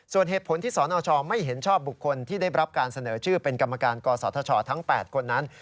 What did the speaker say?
ส่วนเหตุผลที่สนชไม่เห็นชอบบุคคลที่ได้รับการเสนอชื่อเป็นกรรมการกศธชทั้ง๘คนนั้น